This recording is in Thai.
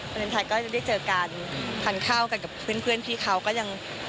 เลนไทยก็จะได้เจอกันทานข้าวกันกับเพื่อนพี่เขาก็ยัง